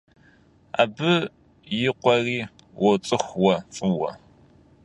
Абы и къуэри уоцӏыху уэ фӏыуэ.